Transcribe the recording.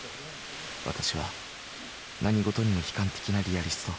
私は何事にも悲観的なリアリスト。